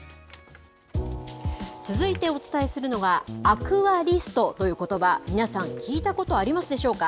続いてお伝えするのは、アクアリストということば、皆さん、聞いたことありますでしょうか。